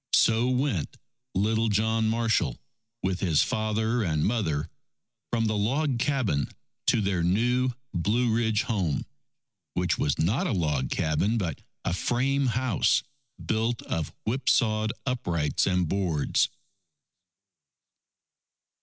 So went little John Marshall with his father and mother, from the log cabin to their new Blue Ridge home, which was not a log cabin, but a frame house built of whipsawed uprights and boards.